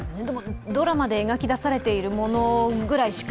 ドラマで描き出されているものくらいしか。